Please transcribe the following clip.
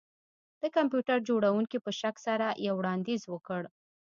د کمپیوټر جوړونکي په شک سره یو وړاندیز وکړ